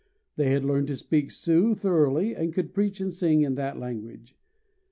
They had learned to speak Sioux thoroughly, and could preach and sing in that language.